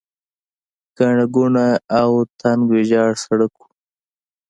ګڼه ګوڼه او تنګ ویجاړ سړک و.